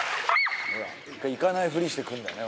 行かないふりして来るんだよね